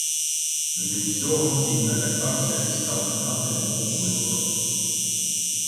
Від цього кінь налякався і став гнати, мов вихор.